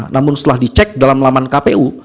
namun setelah dicek dalam laman kpu